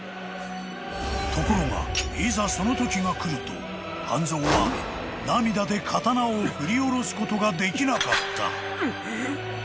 ［ところがいざそのときがくると半蔵は涙で刀を振り下ろすことができなかった］